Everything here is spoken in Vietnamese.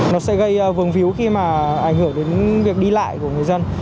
nó sẽ gây vườn víu khi mà ảnh hưởng đến việc đi lại của người dân